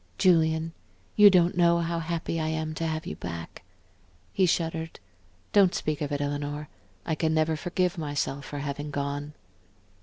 "Julian, you don't know how happy I am to have you back." He shuddered, "Don't speak of it, Eleanor. I can never forgive myself for having gone."